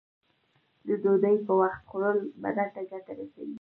د ډوډۍ په وخت خوړل بدن ته ګټه رسوی.